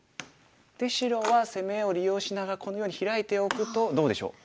で白は攻めを利用しながらこのようにヒラいておくとどうでしょう？